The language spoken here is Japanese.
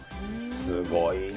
すごいね。